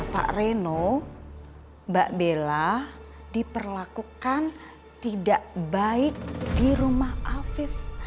pak reno mbak bella diperlakukan tidak baik di rumah afif